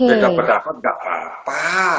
beda pendapat nggak apa apa